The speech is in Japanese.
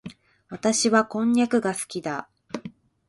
私はこんにゃくが好きだ。